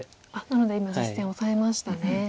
なので今実戦オサえましたね。